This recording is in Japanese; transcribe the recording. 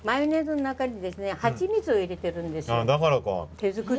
だからか。